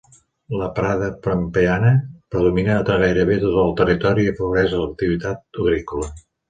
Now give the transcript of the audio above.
La prada pampeana predomina a gairebé tot el territori i afavoreix a l'activitat agrícola.